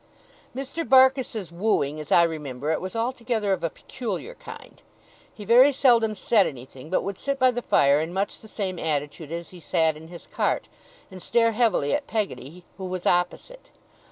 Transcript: Mr. Barkis's wooing, as I remember it, was altogether of a peculiar kind. He very seldom said anything; but would sit by the fire in much the same attitude as he sat in his cart, and stare heavily at Peggotty, who was opposite.